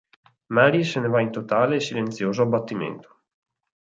Mary se ne va in totale e silenzioso abbattimento.